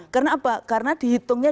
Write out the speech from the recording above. karena apa karena dihitungnya